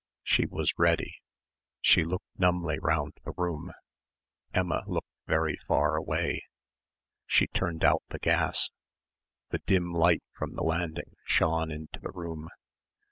She was ready. She looked numbly round the room. Emma looked very far away. She turned out the gas. The dim light from the landing shone into the room.